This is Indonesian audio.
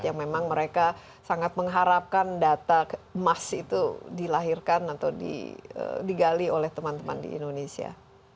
yang memang mereka sangat mengharapkan data emas itu dilahirkan atau digali oleh teman teman di indonesia